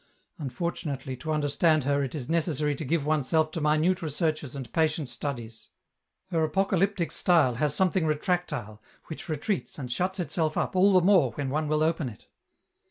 Unfortunately, to understand her, it is necessary to give oneself to minute researches and patient studies. Her apocalyptic style has 294 EN ROUTE. something retractile, which retreats and shuts itself up all the more when one will open it."